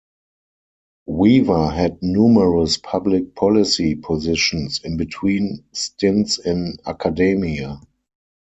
Weaver had numerous public policy positions, in between stints in academia.